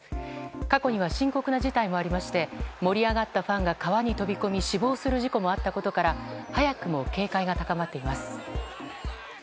過去には深刻な事態もありまして盛り上がったファンが川に飛び込み死亡する事故もあったことから早くも警戒が高まっています。